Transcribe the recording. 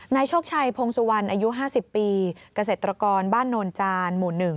โชคชัยพงสุวรรณอายุ๕๐ปีเกษตรกรบ้านโนนจานหมู่๑